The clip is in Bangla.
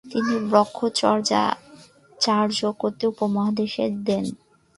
তিনি ব্রহ্মচর্য চর্চা করতে উপদেশ দেন।